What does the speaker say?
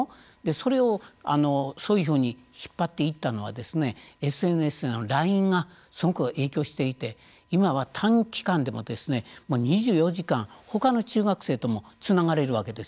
それを、そういうふうに引っ張っていったのはＳＮＳ、ＬＩＮＥがすごく影響していて今は短期間でも２４時間ほかの中学生ともつながれるわけです。